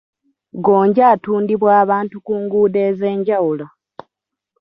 Gonja atundibwa abantu ku nguudo ez'enjawulo